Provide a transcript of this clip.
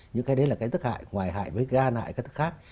những cái đấy là cái tức hại ngoài hại với gan hại